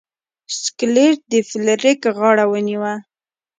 سکلیټ د فلیریک غاړه ونیوه.